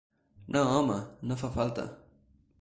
No, home, no fa falta.